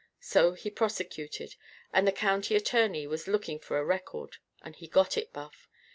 So he prosecuted. And the county attorney was looking for a record. And he got it, Buff.